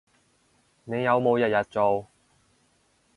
你有冇日日做